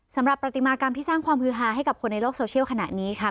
สำหรับปฏิมากรรมที่สร้างความฮือฮาให้กับคนในโลกโซเชียลขณะนี้ค่ะ